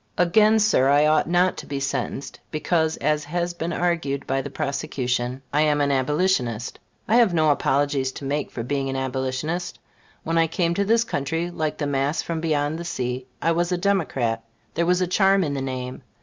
Again, Sir, I ought not to be sentenced because, as has been argued by the prosecution, I am an Abolitionist. I have no apologies to make for being an Abolitionist. When I came to this country, like the mass from beyond the sea, I was a Democrat; there was a charm in the name.